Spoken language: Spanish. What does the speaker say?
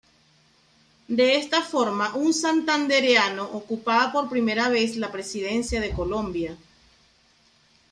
De esta forma, un santandereano ocupaba por primera vez la Presidencia de Colombia.